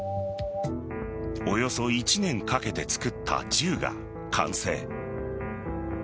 およそ１年かけて作った銃が完成。